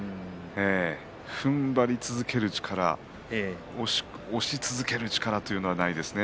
ふんばり続ける力押し続ける力というのがないですね。